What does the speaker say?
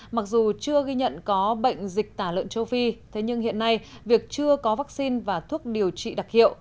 mặc dù chưa ghi nhận có bệnh dịch tả lợn châu phi thế nhưng hiện nay việc chưa có vaccine và thuốc điều trị đặc hiệu